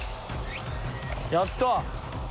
やった。